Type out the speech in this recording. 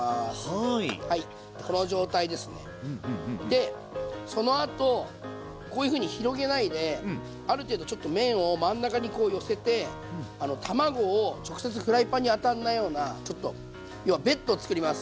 でそのあとこういうふうに広げないである程度ちょっと麺を真ん中にこう寄せて卵を直接フライパンに当たんないようなちょっと要はベッドを作ります。